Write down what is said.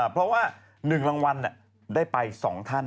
เพราะว่า๑รางวัลได้ไป๒ท่าน